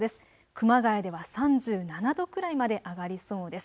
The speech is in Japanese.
熊谷では３７度くらいまで上がりそうです。